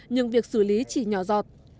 nhưng việc xử lý chỉ nhỏ dọt